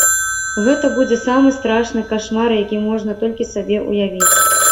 Гэта будзе самы страшны кашмар, які можна толькі сабе ўявіць.